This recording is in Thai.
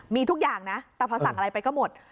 มีทุกอย่างนะแต่พอสั่งอะไรไปก็หมด